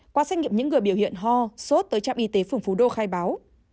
qua xét nghiệm những người biểu hiện ho sốt tới trạm y tế phường phú đô khai báo